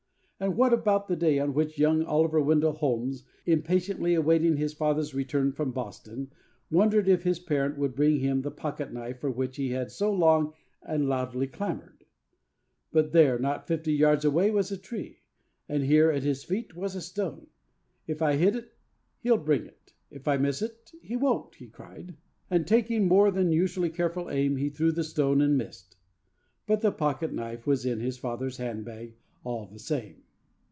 And what about the day on which young Oliver Wendell Holmes, impatiently awaiting his father's return from Boston, wondered if his parent would bring him the pocket knife for which he had so long and loudly clamoured? But there, not fifty yards away, was a tree; and here, at his feet, was a stone. 'If I hit it, he'll bring it; if I miss it, he won't!' he cried; and, taking more than usually careful aim, he threw the stone, and missed! But the pocket knife was in his father's handbag all the same!